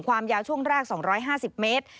ความยาวช่วงแรก๒๕๐เมตร